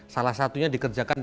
salah satunya dikerjakan dengan kumbu